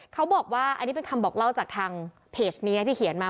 เขาบอกว่าอันนี้เป็นคำบอกเล่าจากทางเพจนี้ที่เขียนมา